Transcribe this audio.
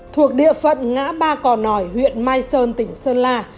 thuộc địa phận ngã ba cò nỏi huyện mai sơn tỉnh sơn la